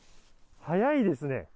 早いですね。